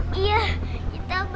tidak ada yang tahu